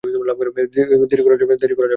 দেরি করা যাবে না!